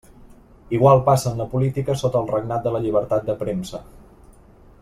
Igual passa en la política sota el regnat de la llibertat de premsa.